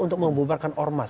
untuk membubarkan ormas